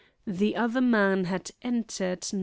The other man had entered No.